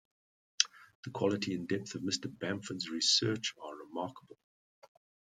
The quality and depth of Mr. Bamford's research are remarkable.